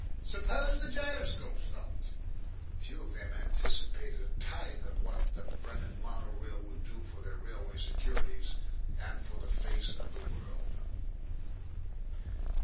"Suppose the gyroscope stopped!" Few of them anticipated a tithe of what the Brennan mono rail would do for their railway securities and the face of the world.